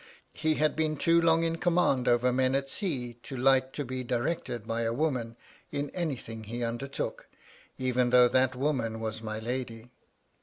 He had been too long in command oyer men at sea to like to be directed by a woman in anything he undertook, even though that woman was my lady.